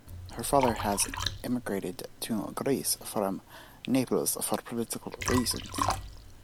Her father had emigrated to Greece from Naples for political reasons.